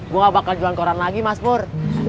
gue nggak bakal jualan koran lagi mas pur